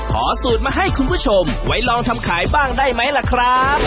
ขอสูตรมาให้คุณผู้ชมไว้ลองทำขายบ้างได้ไหมล่ะครับ